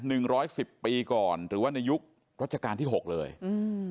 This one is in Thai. หนึ่งร้อยสิบปีก่อนหรือว่าในยุครัชกาลที่หกเลยอืม